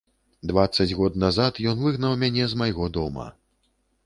Дваццаць год назад ён выгнаў мяне з майго дома.